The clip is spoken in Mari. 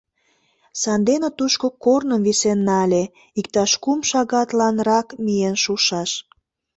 Сандене тушко корным висен нале, иктаж кум шагатланрак миен шушаш.